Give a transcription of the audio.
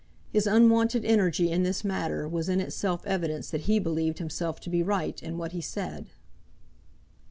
His unwonted energy in this matter was in itself evidence that he believed himself to be right in what he said.